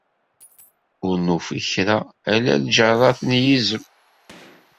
Ur nufi kra, ala lǧerrat n yizem.